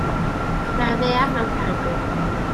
Mae'r Ddaear mewn perygl.